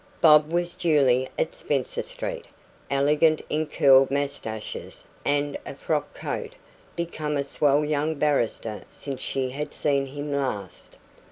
Bob was duly at Spencer Street elegant in curled moustaches and a frock coat become a swell young barrister since she had seen him last.